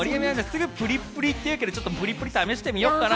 すぐプリップリっていうけど試してみようかな。